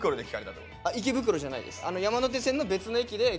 池袋じゃないです。